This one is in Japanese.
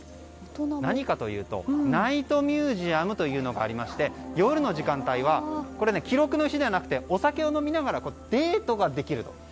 何かというとナイトミュージアムというのがありまして夜の時間帯は記録の石ではなくお酒を飲みながらデートができると。